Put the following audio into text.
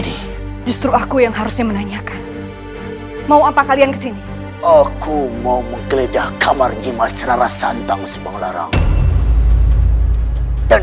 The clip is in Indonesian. beritahukan kepada ayahan